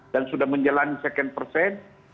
dan sudah menjalani sekian persen